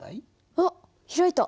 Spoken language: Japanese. あっ開いた。